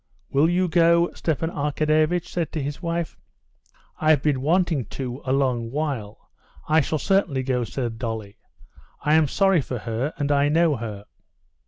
"Will you go?" Stepan Arkadyevitch said to his wife. "I've been wanting to a long while; I shall certainly go," said Dolly. "I am sorry for her, and I know her.